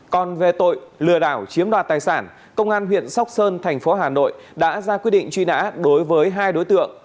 còn về tội lừa đảo chiếm đoạt tài sản công an huyện sóc sơn thành phố hà nội đã ra quyết định truy nã đối với hai đối tượng